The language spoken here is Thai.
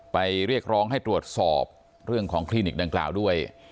เรียกร้องให้ตรวจสอบเรื่องของคลินิกดังกล่าวด้วย